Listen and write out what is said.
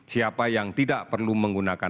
siapa yang tidak perlu menggunakan